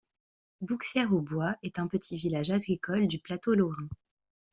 Bouxières-aux-Bois est un petit village agricole du Plateau lorrain.